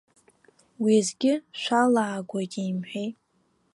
Уеизгьы шәалаагоит имҳәеи?